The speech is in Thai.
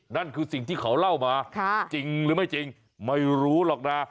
นั่นคือสิ่งที่เขาเล่ามาจริงหรือไม่จริงไม่รู้หรอกนะ